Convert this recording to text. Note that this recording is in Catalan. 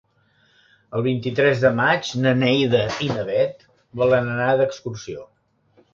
El vint-i-tres de maig na Neida i na Bet volen anar d'excursió.